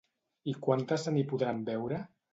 I quantes se n'hi podran veure?